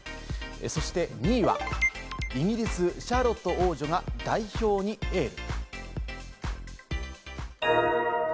そして２位はイギリス・シャーロット王女が代表にエール。